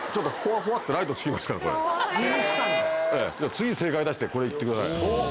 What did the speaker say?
次正解出してこれ行ってください。